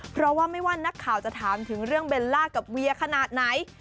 เพราะว่าไม่ว่านักข่าวจะถามถึงเรื่องเบลล่ากับเวียขนาดไหน